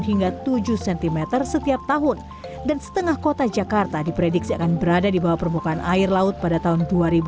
hingga tujuh cm setiap tahun dan setengah kota jakarta diprediksi akan berada di bawah permukaan air laut pada tahun dua ribu dua puluh